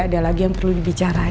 jadi gak ada lagi yang perlu dibicarain